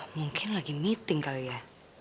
mungkin lagi meeting kali ya